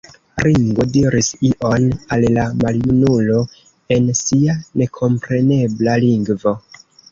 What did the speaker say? Ringo diris ion al la maljunulo en sia nekomprenebla lingvo.